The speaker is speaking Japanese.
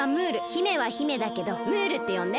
姫は姫だけどムールってよんで。